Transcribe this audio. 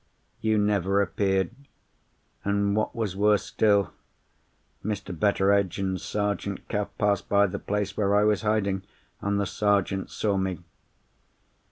"You never appeared; and, what was worse still, Mr. Betteredge and Sergeant Cuff passed by the place where I was hiding—and the Sergeant saw me.